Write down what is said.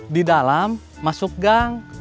di dalam masuk gang